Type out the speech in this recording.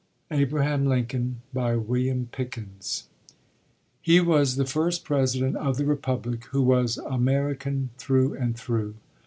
ABRAHAM LINCOLN WILLIAM PICKENS He was the first President of the Republic who was American through and through.